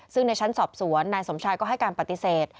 ซึ่งในชั้นสอบสวนนายสมชายก็ให้การปฏิเสธ